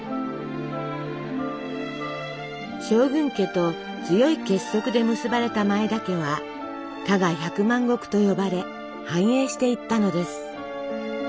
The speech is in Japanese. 将軍家と強い結束で結ばれた前田家は「加賀百万石」と呼ばれ繁栄していったのです。